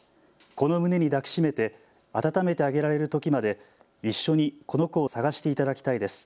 この胸に抱きしめて温めてあげられるときまで一緒にこの子を探していただきたいです。